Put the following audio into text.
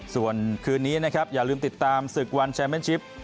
ส่วนคืนนี้นะครับอย่าลืมติดตามศึกวันแชมเป็นชิป